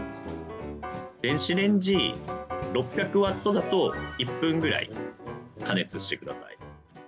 電子レンジ６００ワットだと１分くらい加熱してください。